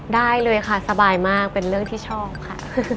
ได้เลยค่ะสบายมากเป็นเรื่องที่ชอบค่ะ